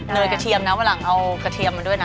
กระเทียมนะวันหลังเอากระเทียมมาด้วยนะ